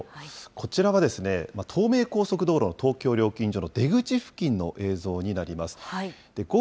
こちらは、東名高速道路の東京料金所の出口付近の映像になります。